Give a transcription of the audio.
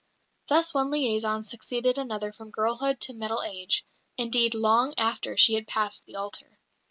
Thus one liaison succeeded another from girlhood to middle age indeed long after she had passed the altar.